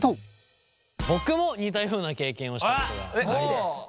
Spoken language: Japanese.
僕も似たような経験をしたことがあります。